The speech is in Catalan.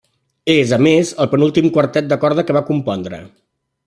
És, a més, el penúltim quartet de corda que va compondre.